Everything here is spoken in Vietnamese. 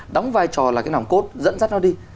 đóng vai trò là cái nòng cốt dẫn dắt nó đi